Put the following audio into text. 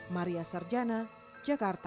maria sarjana jakarta